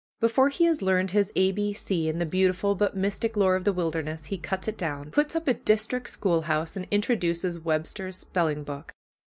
Before he has learned his a b c in the beautiful but mystic lore of the wilderness he cuts it down, puts up a "deestrict" schoolhouse, and introduces Webster's spelling book.